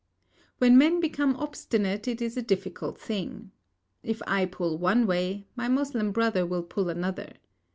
When men become obstinate, it is a difficult thing. If I pull one way, my Moslem brother will pull another.